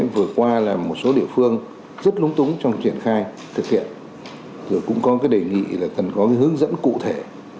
vừa qua là một số địa phương rất lúng túng trong triển khai thực hiện rồi cũng có cái đề nghị là cần có cái hướng dẫn cụ thể